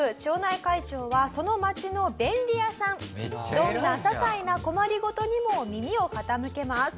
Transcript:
どんな些細な困り事にも耳を傾けます。